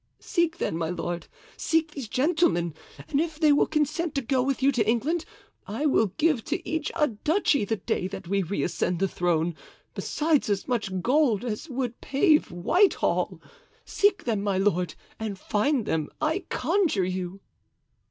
"Seek, then, my lord, seek these gentlemen; and if they will consent to go with you to England, I will give to each a duchy the day that we reascend the throne, besides as much gold as would pave Whitehall. Seek them, my lord, and find them, I conjure you."